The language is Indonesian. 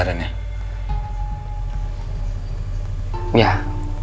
catherine itu teman s dua nya ya